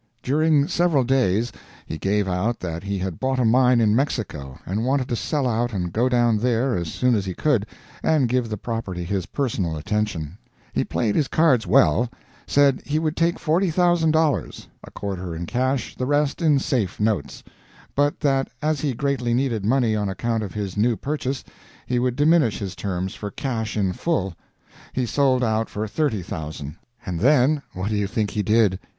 During several days he gave out that he had bought a mine in Mexico, and wanted to sell out and go down there as soon as he could, and give the property his personal attention. He played his cards well; said he would take $40,000 a quarter in cash, the rest in safe notes; but that as he greatly needed money on account of his new purchase, he would diminish his terms for cash in full, He sold out for $30,000. And then, what do you think he did?